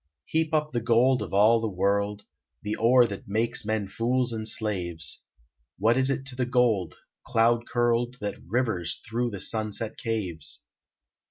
Heap up the gold of all the world, The ore that makes men fools and slaves; What is it to the gold, cloud curled, That rivers through the sunset's caves!